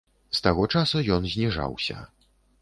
З таго часу ён зніжаўся.